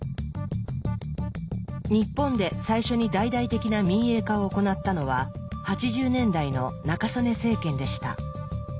日本で最初に大々的な「民営化」を行ったのは８０年代の中曽根政権でした。